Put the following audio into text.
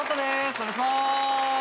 お願いします。